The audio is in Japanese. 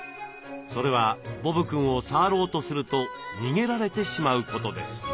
それはボブくんを触ろうとすると逃げられてしまうことです。